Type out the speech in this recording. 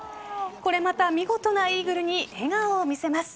これまた見事なイーグルに笑顔を見せます。